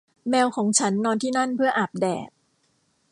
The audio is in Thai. แมวของฉันนอนที่นั่น เพื่ออาบแดด